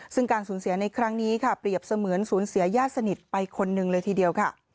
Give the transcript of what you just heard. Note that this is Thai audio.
ซึ่งการสูญเสียในครั้งนี้ค่ะเปรียบเสมือนสูญเสียญาติสนิทไปคนหนึ่งเลยทีเดียวค่ะ